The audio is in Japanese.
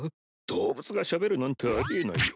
動物がしゃべるなんてありえないよ